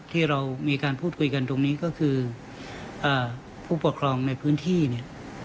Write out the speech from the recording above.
ที่เรามีการพูดคุยกันตรงนี้ก็คือผู้ปกครองในพื้นที่เนี่ย